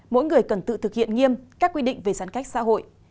mỗi người cần tự thực hiện nghiêm các quy định về giãn cách xã hội